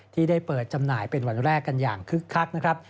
ที่ได้เปิดจำหน่ายเป็นวันแรกกันอย่างคึกคักนะครับ